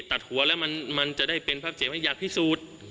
ตัดหัวแล้วมันจะได้เป็นภาพเจตนิยายกพิสูจน์